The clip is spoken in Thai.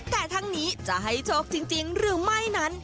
แต่ทั้งนี้จะให้โชคจริงหรือไม่นั้น